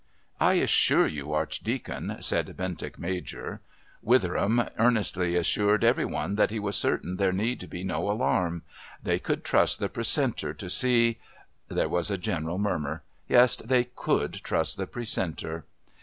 "I assure you, Archdeacon," said Bentinck Major. Witheram earnestly assured every one that he was certain there need be no alarm. They could trust the Precentor to see.... There was a general murmur. Yes, they could trust the Precentor.